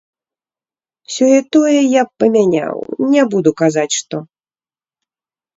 Сёе-тое я б памяняў, не буду казаць, што.